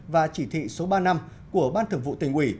và chỉ thị số ba năm của ban thường vụ tình quỷ